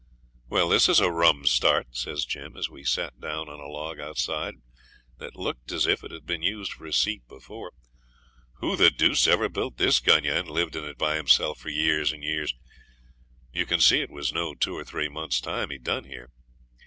'Well, this is a rum start,' says Jim, as we sat down on a log outside that looked as if it had been used for a seat before. 'Who the deuce ever built this gunyah and lived in it by himself for years and years? You can see it was no two or three months' time he done here.